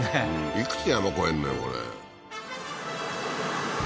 いくつ山越えんのよ